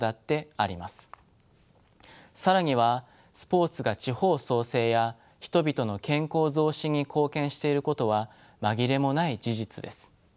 更にはスポーツが地方創生や人々の健康増進に貢献していることは紛れもない事実です。